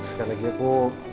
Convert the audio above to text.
sekali lagi aku